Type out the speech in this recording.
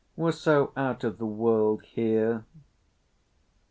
"We're so out of the world here."